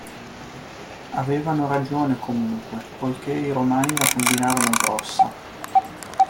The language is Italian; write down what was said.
Avevano ragione comunque, poiché i Romani la combinarono grossa.